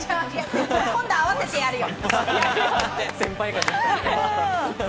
今度あわせてやるよ。